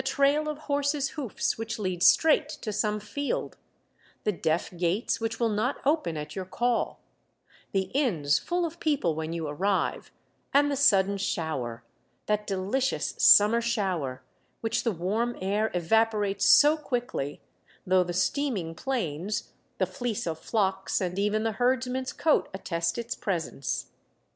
trail of horses' hoofs which lead straight to some field, the deaf gates which will not open at your call, the inns full of people when you arrive — and the sudden shower, that delicious summer shower which the warm air evaporates so quickly, though the steaming plains, the fleece of flocks, and even the herdsman's coat attest its presence.